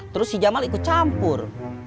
terus si jamal ikut campur